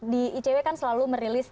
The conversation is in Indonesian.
di icw kan selalu merilis